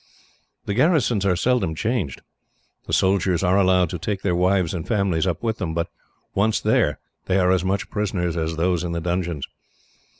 The garrisons are seldom changed. The soldiers are allowed to take their wives and families up with them, but once there, they are as much prisoners as those in the dungeons.